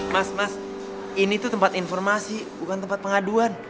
mas mas ini tuh tempat informasi bukan tempat pengaduan